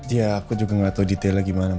ya aku juga gak tau detailnya gimana